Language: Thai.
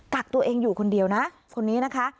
กักตัวเองอยู่คนเดียวนะคนนี้นะคะ